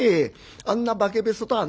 あんな化けべそとはね